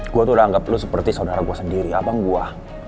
gue tuh udah anggap lo seperti saudara gue sendiri abang gue